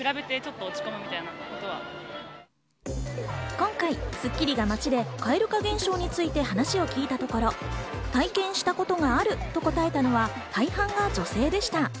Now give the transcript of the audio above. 今回『スッキリ』が街で蛙化現象について話を聞いたところ、体験したことがあると答えたのは、大半が女性でした。